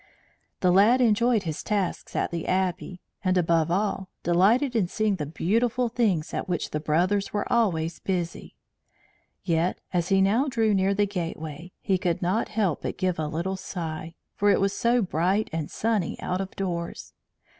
The lad enjoyed his tasks at the Abbey, and, above all, delighted in seeing the beautiful things at which the brothers were always busy; yet, as he now drew near the gateway, he could not help but give a little sigh, for it was so bright and sunny out of doors.